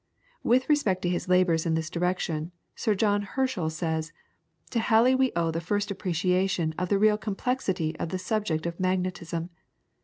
With respect to his labours in this direction, Sir John Herschel says: "To Halley we owe the first appreciation of the real complexity of the subject of magnetism.